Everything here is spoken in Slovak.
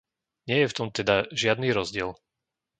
Nie je v tom teda žiadny rozdiel.